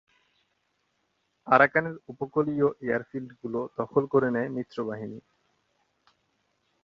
আরাকানের উপকূলীয় এয়ারফিল্ডগুলো দখল করে নেয় মিত্রবাহিনী।